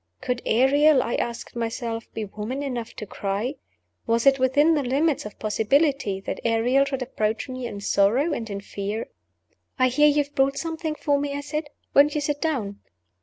Could Ariel (I asked myself) be woman enough to cry? Was it within the limits of possibility that Ariel should approach me in sorrow and in fear? "I hear you have brought something for me?" I said. "Won't you sit down?"